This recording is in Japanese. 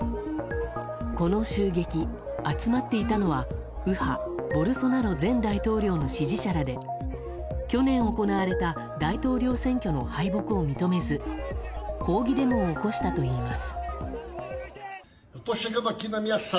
この襲撃、集まっていたのは右派・ボルソナロ前大統領の支持者らで去年行われた大統領選挙の敗北を認めず抗議デモを起こしたといいます。